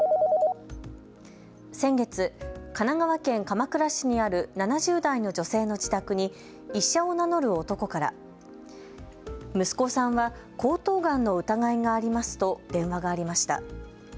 先月、神奈川県鎌倉市にある７０代の女性の自宅に医者を名乗る男から息子さんは喉頭がんの疑いがありますと電話がありました。